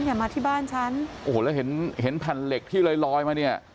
อย่ามาที่บ้านฉันโอ้โหแล้วเห็นเห็นแผ่นเหล็กที่ลอยลอยมาเนี่ย